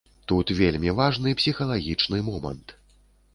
Тут вельмі важны псіхалагічны момант.